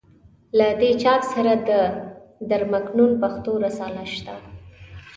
له دې چاپ سره د در مکنون پښتو رساله شته.